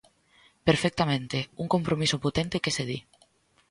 Perfectamente, un compromiso potente que se di.